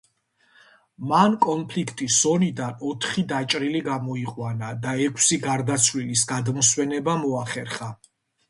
მან კონფლიქტის ზონიდან ოთხი დაჭრილი გამოიყვანა და ექვსი გარდაცვლილის გადმოსვენება მოახერხა.